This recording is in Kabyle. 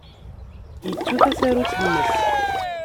Yettu tasarut-nnes.